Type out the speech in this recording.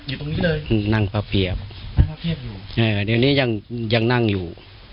อยู่ตรงนี้เลยนั่งประเพียบนั่งประเพียบอยู่อ่าตรงนี้ยังยังนั่งอยู่อ๋อ